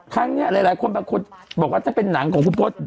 ทั้งเนี่ยหลายคนบอกว่าจะเป็นหนังของคุณพศ